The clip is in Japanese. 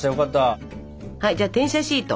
はいじゃあ転写シート。